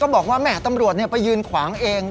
บอกว่าแหม่ตำรวจไปยืนขวางเอง